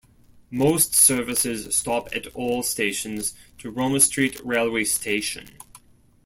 Most services stop at all stations to Roma Street railway station.